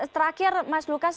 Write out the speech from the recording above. terakhir mas lucas